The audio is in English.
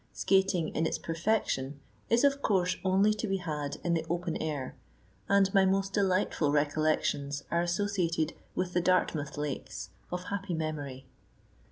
Skating in its perfection is of course only to be had in the open air, and my most delightful recollections are associated with the Dartmouth lakes, of happy memory.